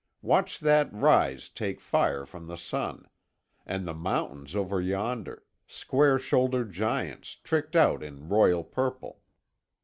Watch that rise take fire from the sun. And the mountains over yonder; square shouldered giants, tricked out in royal purple."